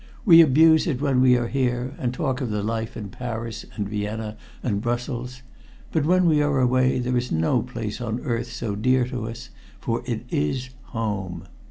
We abuse it when we are here, and talk of the life in Paris, and Vienna, and Brussels, but when we are away there is no place on earth so dear to us, for it is 'home.'